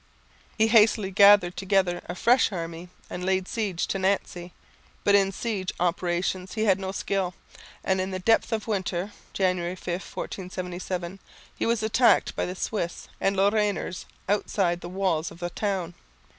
He hastily gathered together a fresh army and laid siege to Nancy. But in siege operations he had no skill, and in the depth of winter (January 5, 1477) he was attacked by the Swiss and Lorrainers outside the walls of the town.